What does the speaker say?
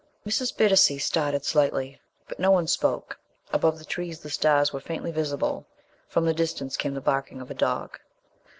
Mrs. Bittacy started slightly, but no one spoke. Above the trees the stars were faintly visible. From the distance came the barking of a dog.